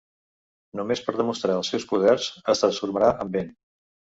Només per demostrar els seus poders, es transformarà en vent.